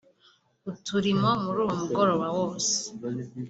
uturimo muri uwo mugoroba wose